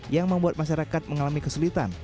yang membuat masyarakat mengalami kesulitan